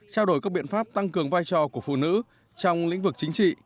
thúc đẩy các biện pháp tăng cường vai trò của phụ nữ trong lĩnh vực chính trị